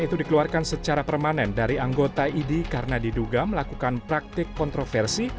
itu dikeluarkan secara permanen dari anggota idi karena diduga melakukan praktik kontroversi